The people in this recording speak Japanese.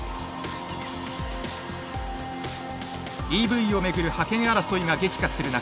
ＥＶをめぐる覇権争いが激化する中